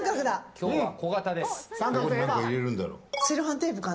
今日は小型です。